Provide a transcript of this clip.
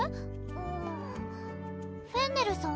うんフェンネルさん？